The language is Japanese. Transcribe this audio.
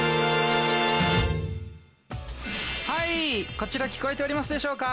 こちら聞こえておりますでしょうか？